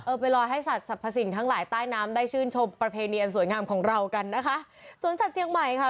ไปลอยให้สัตว์สรรพสิ่งทั้งหลายใต้น้ำได้ชื่นชมประเพณีอันสวยงามของเรากันนะคะสวนสัตว์เชียงใหม่ค่ะ